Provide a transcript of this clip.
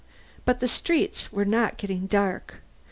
But the streets were not getting dark.